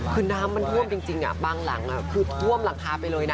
คือน้ำมันท่วมจริงบางหลังคือท่วมหลังคาไปเลยนะ